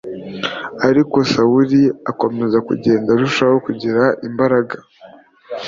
ariko sawuli akomeza kugenda arushaho kugira imbaraga